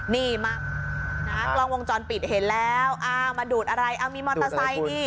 นี่มากล้องวงจรปิดเห็นแล้วมาดูดอะไรมีมอเตอร์ไซค์นี่